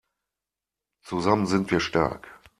Zusammen sind wir stark!